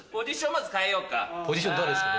ポジションどうですか？